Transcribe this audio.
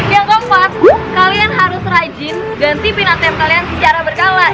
yang keempat kalian harus rajin ganti pin atm kalian secara berkala